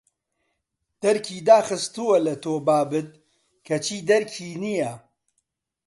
دەرکی داخستووە لە تۆ بابت کەچی دەرکی نییە